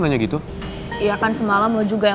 kayanya denger saja aja an